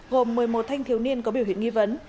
gồm một mươi một thanh thiếu niên có biểu hiện nghi vấn